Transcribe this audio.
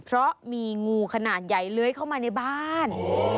เพราะมีงูขนาดใหญ่เลื้อยเข้ามาในบ้าน